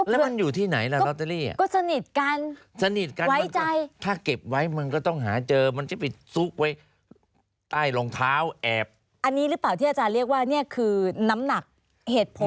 อันนี้หรือเปล่าที่อาจารย์เรียกว่าเนี่ยคือน้ำหนักเหตุผล